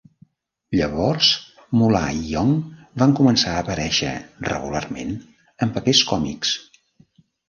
Llavors Moolah i Young van començar a aparèixer regularment en papers còmics.